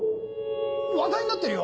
話題になってるよ